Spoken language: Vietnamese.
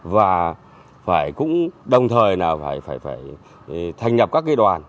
và cũng đồng thời phải thành nhập các cây đoàn